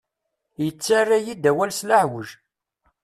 Yettarra-yi-d awal s leɛweǧ.